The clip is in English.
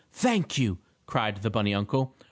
Thank you!" cried the bunny uncle.